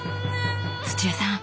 土屋さん